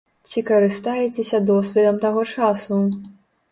Ці карыстаецеся досведам таго часу.